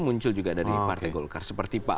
muncul juga dari partai golkar seperti pak